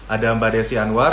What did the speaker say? ada mbak desi anwar